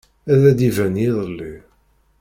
Ad d-iban yiḍelli.